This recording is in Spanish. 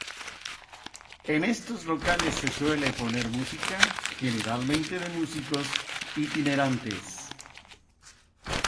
En estos locales se suele poner música, generalmente de músicos itinerantes.